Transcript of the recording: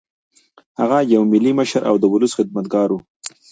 هغه یو ملي مشر او د ولس خدمتګار و.